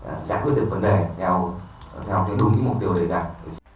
và giải quyết được vấn đề theo cái đúng mục tiêu đề đặt